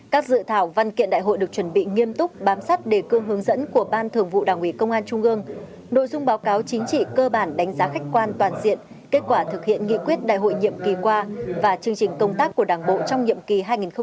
các dự thảo văn kiện đại hội được chuẩn bị nghiêm túc bám sát đề cương hướng dẫn của ban thường vụ đảng ủy công an trung ương nội dung báo cáo chính trị cơ bản đánh giá khách quan toàn diện kết quả thực hiện nghị quyết đại hội nhiệm kỳ qua và chương trình công tác của đảng bộ trong nhiệm kỳ hai nghìn hai mươi hai nghìn hai mươi năm